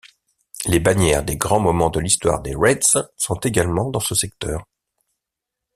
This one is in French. Les bannières des grands moments de l'histoire des Reds sont également dans ce secteur.